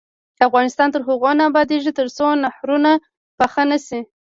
افغانستان تر هغو نه ابادیږي، ترڅو نهرونه پاخه نشي.